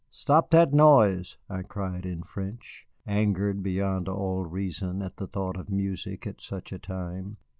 "Stop that noise," I cried in French, angered beyond all reason at the thought of music at such a time.